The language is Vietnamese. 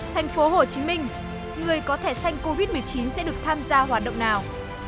thành phố hồ chí minh người có thẻ xanh covid một mươi chín sẽ được tham gia hoạt động nào